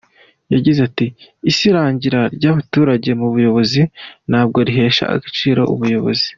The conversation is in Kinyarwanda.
Yagize ati “Isiragira ry’abaturage mu buyobozi ntabwo rihesha agaciro ubuyobozi.